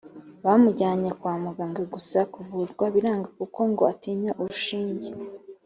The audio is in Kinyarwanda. bamujyanye kwamuganga gusa kuvurwa biranga kuko ngo atinya urushinge